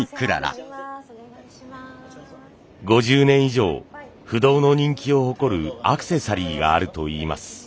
５０年以上不動の人気を誇るアクセサリーがあるといいます。